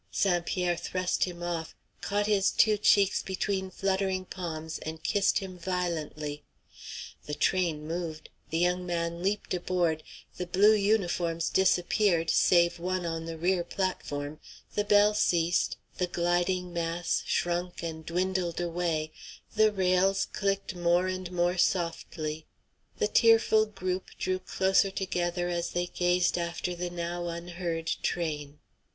St. Pierre thrust him off, caught his two cheeks between fluttering palms and kissed him violently; the train moved, the young man leaped aboard, the blue uniforms disappeared, save one on the rear platform, the bell ceased, the gliding mass shrunk and dwindled away, the rails clicked more and more softly, the tearful group drew closer together as they gazed after the now unheard train.